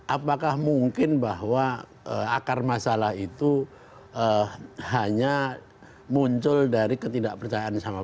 apakah mungkin bahwa akar masalah itu hanya muncul dari ketidakpercayaan sama